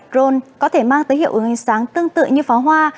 drone có thể mang tới hiệu ứng ánh sáng tương tự như pháo hoa